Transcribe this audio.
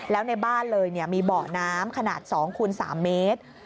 แล้วในบ้านเลยมีเบาะน้ำขนาด๒คูณ๓เมตร